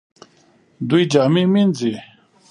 دوی جامې مینځي